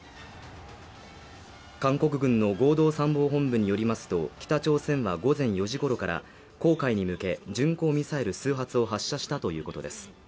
韓国軍の合同参謀本部によりますと北朝鮮は午前４時ごろから黄海に向け巡航ミサイル数発を発射したということです